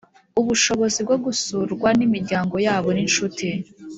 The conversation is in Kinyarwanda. Ubushobozi bwo gusurwa n imiryango yabo n inshuti